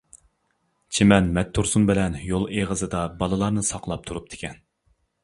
چىمەن مەتتۇرسۇن بىلەن يول ئېغىزىدا بالىلارنى ساقلاپ تۇرۇپتىكەن.